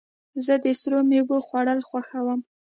زه د سړو میوو خوړل خوښوم.